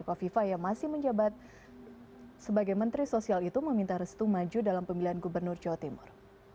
kofifa yang masih menjabat sebagai menteri sosial itu meminta restu maju dalam pemilihan gubernur jawa timur